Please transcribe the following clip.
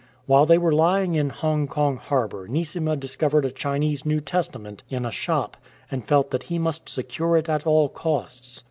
While they were lying in Hong Kong harbour Neesima discovered a Chinese New Testament in a shop, and felt that he must secure it at all costs.